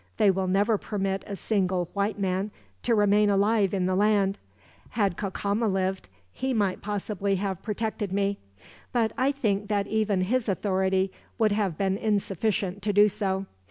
They will never permit a single white man to remain alive in the land. Had Cacama lived, he might possibly have protected me; but I think that even his authority would have been insufficient to do so.